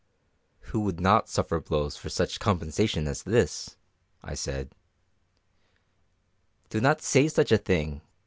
"Who would not suffer blows for such compensation as this!" I said. "Do not say such a thing!"